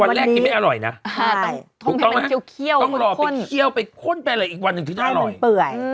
วันแรกกินไม่อร่อยนะถูกต้องไหมต้องรอไปเคี่ยวค่นไปอีกวันหนึ่งที่ได้อร่อย